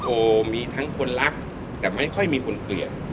โอมีทั้งคนรักแต่ไม่ค่อยมีคนเปลี่ยน